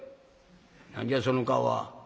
何じゃその顔は。